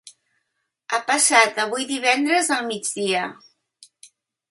Ha passat avui divendres al migdia.